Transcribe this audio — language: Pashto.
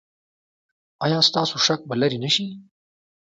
ایا ستاسو شک به لرې نه شي؟